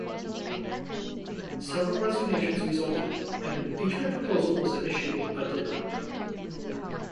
Several resignations resulted, and an impeachment proposal was initiated but denied.